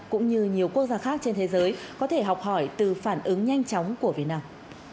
cũng như nhiều quốc gia khác trên thế giới có thể học hỏi từ phản ứng nhanh chóng của việt nam